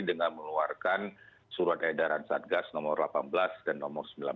dengan mengeluarkan surat edaran satgas nomor delapan belas dan nomor sembilan belas